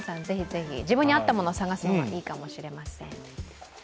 ぜひ、自分に合ったものを探すのもいいかもしれません。